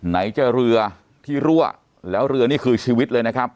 ไหนจะเรือที่รั่วแล้วเรือนี่คือชีวิตเลยนะครับ